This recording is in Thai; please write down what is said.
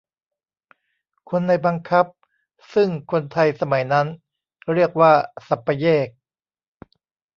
คนในบังคับ ซึ่งคนไทยสมัยนั้นเรียกว่า สัปเยก